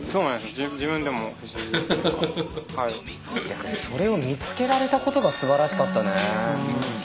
逆にそれを見つけられたことがすばらしかったね。